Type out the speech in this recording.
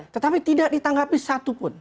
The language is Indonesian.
tetapi tidak ditanggapi satu pun